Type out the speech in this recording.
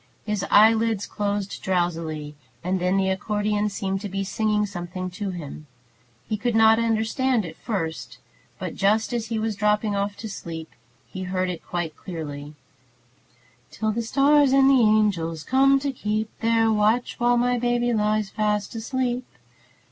His eyelids closed drowsily, and then the accordeon seemed to be singing something to him. He could not understand at first, but just as he was dropping off to sleep he heard it quite clearly: "Till the stars and the angels come to keep Their watch, where my baby lies fast asleep."